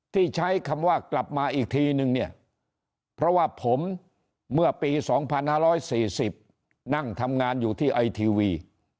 ที่ใช้คำว่ากลับมาอีกทีนึงเนี่ยเพราะว่าผมเมื่อปี๒๕๔๐นั่งทำงานอยู่ที่ไอทีวี